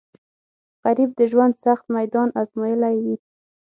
غریب د ژوند سخت میدان ازمویلی وي